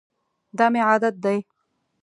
دا مي عادت دی .